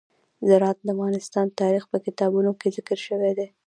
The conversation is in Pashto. زراعت د افغان تاریخ په کتابونو کې ذکر شوی دي.